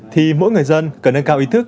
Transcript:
thì mỗi người dân cần nâng cao ý thức